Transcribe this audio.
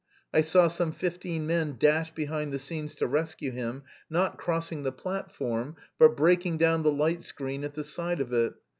I saw some fifteen men dash behind the scenes to rescue him, not crossing the platform but breaking down the light screen at the side of it....